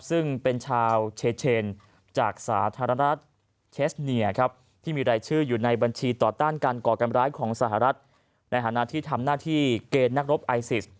ซึ่งเป็นชาวเชนจากสาธารณรัฐเชสเนียครับที่มีรายชื่ออยู่ในบัญชีต่อต้านการก่อการร้ายของสหรัฐในฐานะที่ทำหน้าที่เกณฑ์นักรบไอซิส